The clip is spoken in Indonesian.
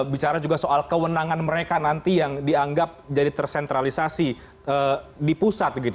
bicara juga soal kewenangan mereka nanti yang dianggap jadi tersentralisasi di pusat gitu